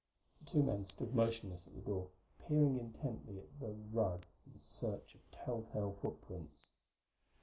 The two men stood motionless at the door, peering intently at the rug in search of telltale footprints.